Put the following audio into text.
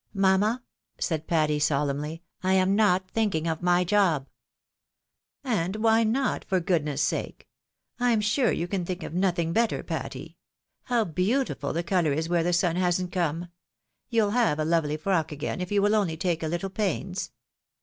" Mamma !" said Patty, solemnly, " I am not thinking of my job." " And why not, for goodness' sake ? I'm sure you can think of nothing better, Patty. How beautiful the colour is where the sun hasn't come ! You'U have a lovely frock again, if you will only take a little pains."